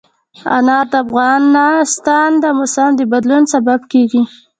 انار د افغانستان د موسم د بدلون سبب کېږي.